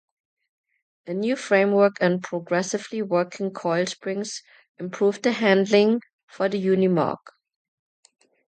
A new framework and progressively working coil springs improve the handling for the Unimog.